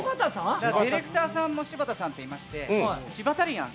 ディレクターさんも柴田さんっていいまして柴田リアン。